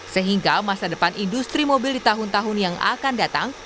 sehingga masa depan industri mobil di tahun tahun yang akan datang